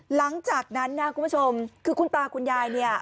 หลังจากนั้นนะคุณผู้ชมคือคุณตาคุณยายเนี่ย